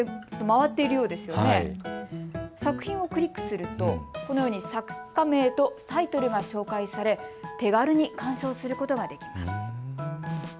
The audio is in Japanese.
作品をクリックするとこのように作家名とタイトルが紹介され手軽に鑑賞することができます。